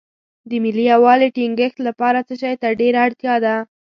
د ملي یووالي ټینګښت لپاره څه شی ته ډېره اړتیا ده.